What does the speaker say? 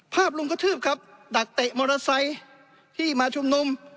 ลุงกระทืบครับดักเตะมอเตอร์ไซค์ที่มาชุมนุม